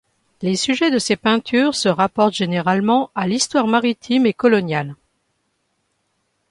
Les sujets de ses peintures se rapportent généralement à l'histoire maritime et coloniale.